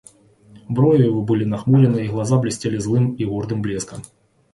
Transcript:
Брови его были нахмурены, и глаза блестели злым и гордым блеском.